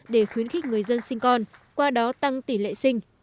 để khuyến khích người dân sinh con qua đó tăng tỷ lệ sinh